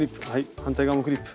反対側もクリップ。